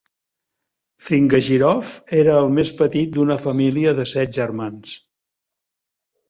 Zigangirov era el més petit d'una família de set germans.